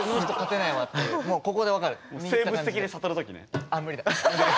生物的に悟る時ね。